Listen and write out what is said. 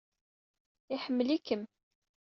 Iḥemmel-ikem!